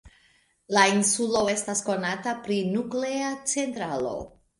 La insulo estas konata pri nuklea centralo.